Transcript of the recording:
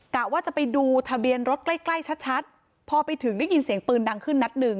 กะว่าจะไปดูทะเบียนรถใกล้ใกล้ชัดชัดพอไปถึงได้ยินเสียงปืนดังขึ้นนัดหนึ่ง